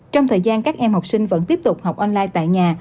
trong thời gian các em học sinh vẫn tiếp tục học online tại nhà